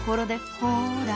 ほら。